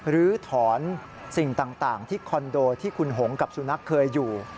ลื้อถอนสิ่งต่างที่คอนโดที่คุณหงกับสุนัขเคยอยู่